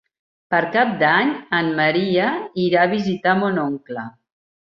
Per Cap d'Any en Maria irà a visitar mon oncle.